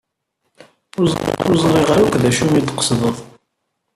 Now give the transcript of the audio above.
Ur ẓriɣ akk d acu ay d-tqesdeḍ.